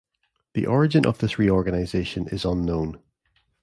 The origin of this re-organisation is unknown.